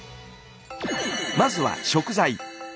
まずは食材。